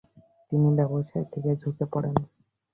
তিনি ব্যবসায়ের দিকে ঝুঁকে পড়েন।